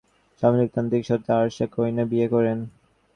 তিনি ককেশাসের ভূগর্ভে সমাজতান্ত্রিক সদস্য আরশাক কুর্ঘিনিয়ানকে বিয়ে করেন।